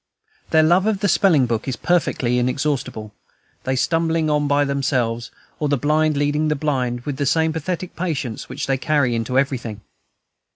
Their love of the spelling book is perfectly inexhaustible, they stumbling on by themselves, or the blind leading the blind, with the same pathetic patience which they carry into everything.